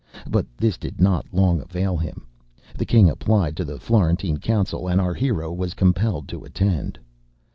But this did not long avail him; the king applied to the Florentine council, and our hero was compelled to attend.